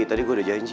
tadi gue udah janji